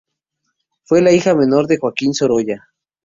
Fue la hija menor de Joaquín Sorolla.